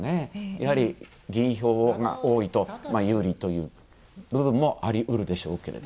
やはり、議員票が多いと有利という部分もありうるでしょうけれど。